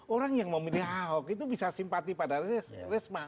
orang yang memilih aho itu bisa simpati pada burisma